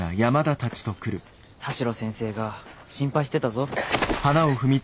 田代先生が心配してたぞ。